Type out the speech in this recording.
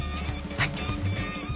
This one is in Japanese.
はい。